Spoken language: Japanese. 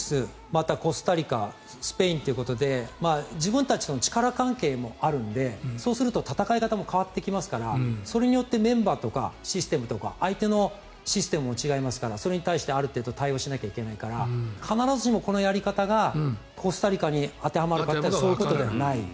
また、コスタリカスペインということで自分たちの力関係もあるのでそうすると戦い方も変わってきますからそれによってメンバーとかシステムとか相手のシステムも違いますからそれに対してある程度対応しないといけないから必ずしもこのやり方がコスタリカに当てはまるかというとそういうことではない。